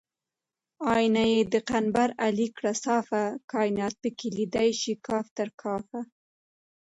آیینه یې د قنبر علي کړه صافه کاینات پکې لیدی شي کاف تر کافه